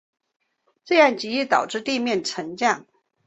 这样极易导致地面沉降。